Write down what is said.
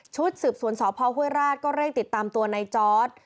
สืบสวนสพห้วยราชก็เร่งติดตามตัวในจอร์ด